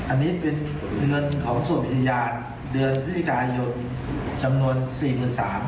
อันนี้เป็นเงินของสวเบทยาลเดือนพฤติกายนก๔๓